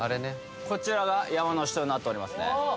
こちらが山の酒盗になっておりますね